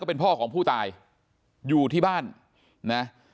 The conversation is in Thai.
เป็นพ่อของผู้ตายอยู่ที่บ้านนะ